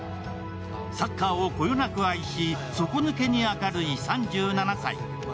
サッカーをこよなく愛し、底抜けに明るい３７歳。